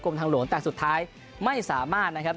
ทางหลวงแต่สุดท้ายไม่สามารถนะครับ